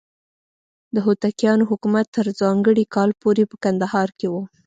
د هوتکیانو حکومت تر ځانګړي کال پورې په کندهار کې و.